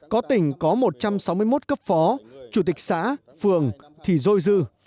có tỉnh có một trăm sáu mươi một cấp phó chủ tịch xã phường thì dôi dư